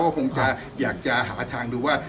ว่าผมจะอยากจะหาทางดูว่า